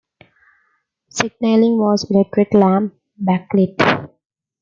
Signalling was electric lamp backlit.